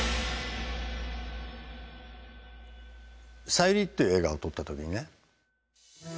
「ＳＡＹＵＲＩ」っていう映画を撮った時にね。